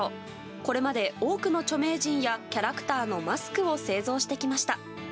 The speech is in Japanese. これまで、多くの著名人やキャラクターのマスクを製造してきました。